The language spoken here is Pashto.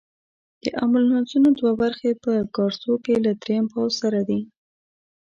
د امبولانسونو دوه برخې په کارسو کې له دریم پوځ سره دي.